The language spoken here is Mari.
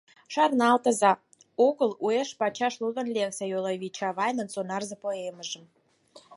Шарналтыза, огыл, уэш-пачаш лудын лекса Юрий Чавайнын «Сонарзе» поэмыжым.